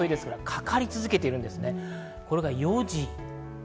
かかり続けているんです。